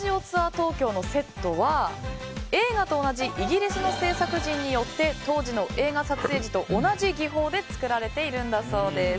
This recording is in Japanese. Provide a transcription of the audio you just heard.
東京のセットは映画と同じイギリスの制作陣によって当時の映画撮影時と同じ技法で作られているんだそうです。